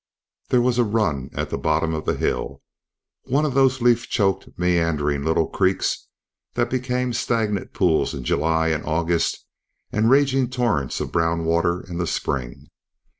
There was a run at the bottom of the hill, one of those leaf choked, meandering little creeks that become stagnant pools in July and August, and raging torrents of brown water in the spring.